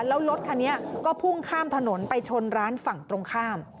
แล้วรถคันนี้ก็พุ่งข้ามถนนไปชนร้านฝั่งตรงข้าม